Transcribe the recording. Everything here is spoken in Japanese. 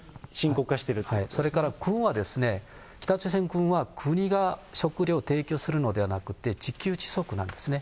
それから軍は、北朝鮮軍は国が食料を提供するのではなくって、自給自足なんですね。